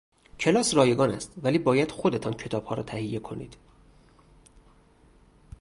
کلاس رایگان است ولی باید خودتان کتابها را تهیه کنید.